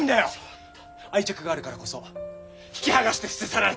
愛着があるからこそ引き剥がして捨て去らなきゃ！